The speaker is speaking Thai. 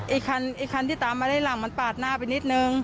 อีกคันที่ตามมาได้หลังมันปาดหน้าไปนิดนึง